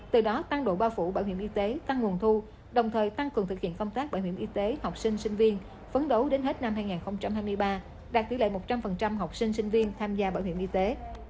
từ đó tăng độ bao phủ bảo hiểm y tế tăng nguồn thu đồng thời tăng cường thực hiện công tác bảo hiểm y tế học sinh sinh viên phấn đấu đến hết năm hai nghìn hai mươi ba đạt tỷ lệ một trăm linh học sinh sinh viên tham gia bảo hiểm y tế